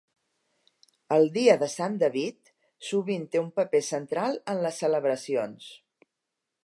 El dia de Sant David sovint té un paper central en les celebracions.